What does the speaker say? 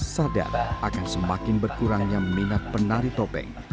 sadar akan semakin berkurangnya minat penari topeng